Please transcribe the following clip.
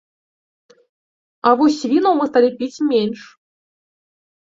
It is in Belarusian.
А вось вінаў мы сталі піць менш.